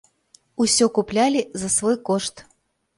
Усё куплялі за свой кошт.